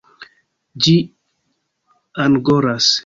Ĝi angoras.